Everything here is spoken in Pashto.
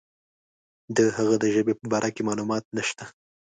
د هغه د ژبې په باره کې معلومات نشته.